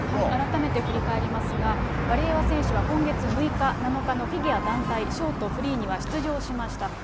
改めて振り返りますが、ワリエワ選手は今月６日、７日のフィギュア団体、ショート、フリーには出場しました。